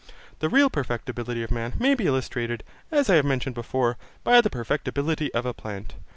The real perfectibility of man may be illustrated, as I have mentioned before, by the perfectibility of a plant.